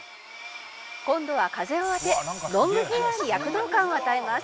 「今度は風を当てロングヘアーに躍動感を与えます」